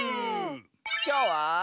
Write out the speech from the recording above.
きょうは。